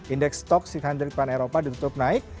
indeks stok enam ratus pada eropa ditutup naik